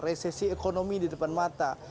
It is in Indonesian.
resesi ekonomi di depan mata